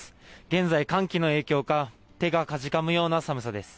現在、寒気の影響か手がかじかむような寒さです。